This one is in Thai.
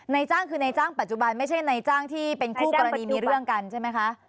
จ้างคือในจ้างปัจจุบันไม่ใช่ในจ้างที่เป็นคู่กรณีมีเรื่องกันใช่ไหมคะ